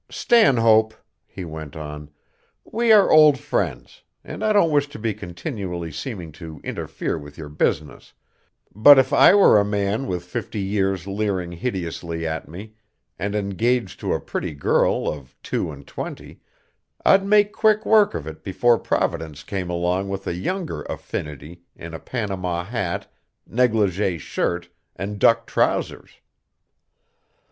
"Stanhope," he went on, "we are old friends, and I don't wish to be continually seeming to interfere with your business, but if I were a man with fifty years leering hideously at me, and engaged to a pretty girl of two and twenty, I'd make quick work of it before Providence came along with a younger affinity in a Panama hat, negligée shirt, and duck trousers."